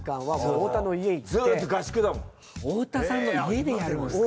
太田さんの家でやるんすか？